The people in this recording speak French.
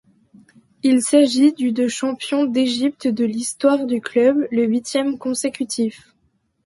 Il s'agit du de champion d'Égypte de l'histoire du club, le huitième consécutif.